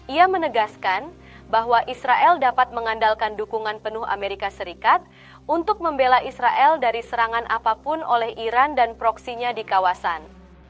ia menegaskan bahwa israel dapat mengandalkan dukungan penuh amerika serikat untuk membela israel dari serangan apapun oleh iran dan proksinya di kawasan